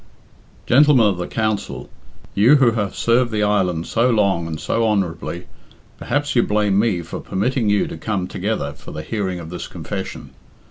"Gentlemen of the Council, you who have served the island so long and so honourably, perhaps you blame me for permitting you to come together for the hearing of this confession.